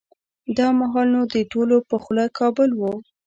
دا مهال نو د ټولو په خوله کابل و.